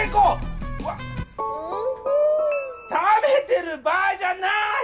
食べてる場合じゃない！